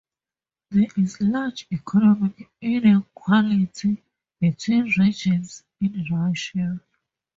There is large economic inequality between regions in Russia.